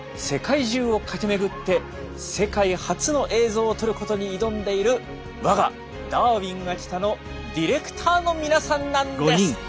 世界中を駆け巡って世界初の映像を撮ることに挑んでいる我が「ダーウィンが来た！」のディレクターの皆さんなんです。